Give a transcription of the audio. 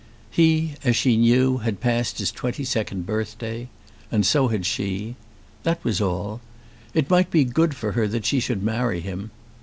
He, as she knew, had passed his twenty second birthday, and so had she. That was all. It might be good for her that she should marry him.